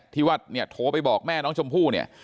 ที่วัดโทรไปบอกแม่น้องจมภู่